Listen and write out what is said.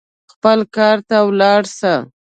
خپل کار ته ولاړ سه.